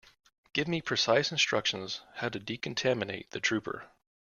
Give me precise instructions how to decontaminate the trooper.